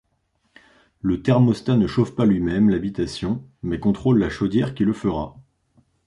Le thermostat ne chauffe pas lui-même l'habitation, mais contrôle la chaudière qui le fera.